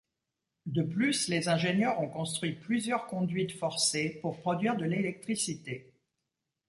De plus, les ingénieurs ont construit plusieurs conduites forcées pour produire de l'électricité.